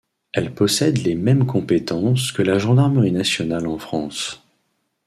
Elle possède les mêmes compétences que la gendarmerie nationale en France.